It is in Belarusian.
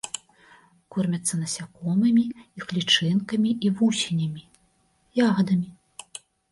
Кормяцца насякомымі, іх лічынкамі і вусенямі, ягадамі.